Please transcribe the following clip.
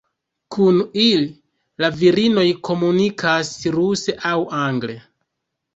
Kun ili la virinoj komunikas ruse aŭ angle.